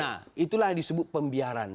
nah itulah yang disebut pembiaran